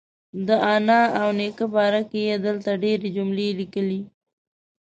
د انا او نیکه باره کې یې دلته ډېرې جملې لیکلي.